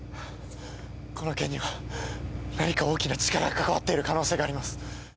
この件には何か大きな力が関わってる可能性があります。